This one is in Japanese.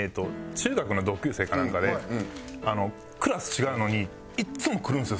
中学の同級生かなんかでクラス違うのにいっつも来るんですよ